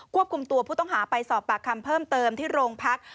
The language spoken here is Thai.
ควบคุมตัวผู้ต้องหาไปสอบปากคำเพิ่มเติมที่โรงพัก